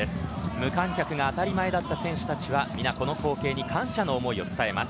無観客が当たり前だった選手たちはみんなこの光景に感謝の思いを伝えます。